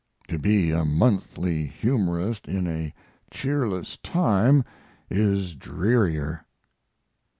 To be a monthly humorist in a cheerless time is drearier.